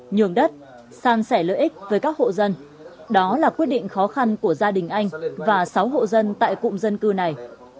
nhường đất san sẻ lợi ích với các hộ dân đó là quyết định khó khăn của gia đình anh và sáu hộ dân tại cụm dân cư này